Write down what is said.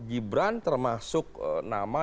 gibran termasuk nama